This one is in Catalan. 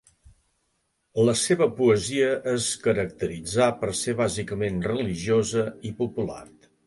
La seva poesia es caracteritzà per ser bàsicament religiosa i popular.